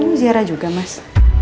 nanti kamu ziarah juga mas